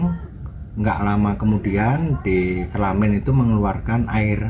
tidak lama kemudian di kelamin itu mengeluarkan air